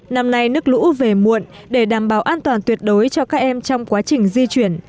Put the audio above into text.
năm nay nước lũ về muộn để đảm bảo an toàn tuyệt đối cho các em trong quá trình di chuyển